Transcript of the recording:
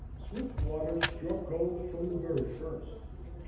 Swiftwater struck gold from the very first.